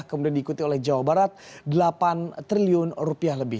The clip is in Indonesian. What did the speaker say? kemudian diikuti oleh jawa barat delapan triliun rupiah lebih